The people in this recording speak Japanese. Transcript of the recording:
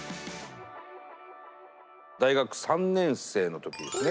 大学３年生の時ですね。